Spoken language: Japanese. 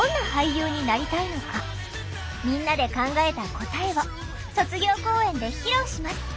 みんなで考えた答えを卒業公演で披露します